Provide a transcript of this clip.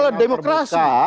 itu adalah demokrasi